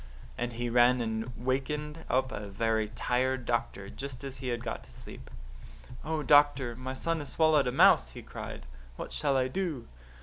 "And he ran and wakened up a very tired doctor just as he had got to sleep. "'Oh, doctor, my son has swallowed a mouse,' he cried. 'What shall I do?